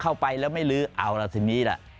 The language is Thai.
เข้าไปแล้วไม่ลื้อเอาล่ะทีนี้ล่ะ